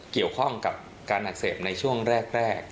เกี่ยวข้องกับการอักเสบในช่วงแรก